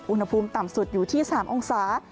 อุณหภูมิต่ำสุดอยู่ที่๓องศา